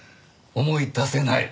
思い出せない？